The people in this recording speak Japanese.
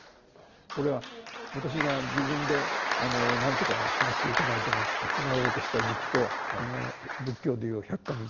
これは私が自分で何とかしなくちゃいけないと思って立ち直ろうとしてた時期と仏教で言う百箇日